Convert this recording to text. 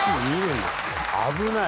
危ない。